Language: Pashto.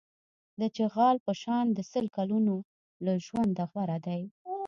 د چغال په شان د سل کلونو له ژونده غوره دی.